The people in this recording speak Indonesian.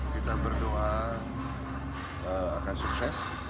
kita berdoa akan sukses